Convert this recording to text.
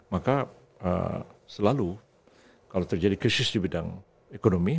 maka selalu kalau terjadi krisis di bidang ekonomi